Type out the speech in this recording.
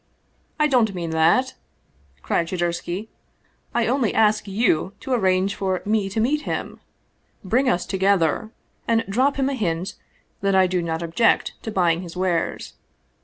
" I don't mean that !" cried Shadursky. " I only ask you to arrange for me to meet him. Bring us together and drop him a hint that I do not object to buying his wares.